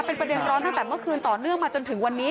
เป็นประเด็นร้อนตั้งแต่เมื่อคืนต่อเนื่องมาจนถึงวันนี้